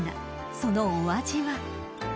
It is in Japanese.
そのお味は］